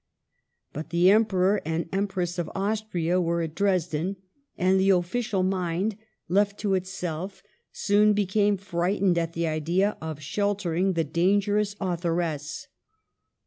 But the Emperor and Em press of Austria were at Dresden, and the official mind, left to itself, soon became frightened at the idea of sheltering the dangerous authoress.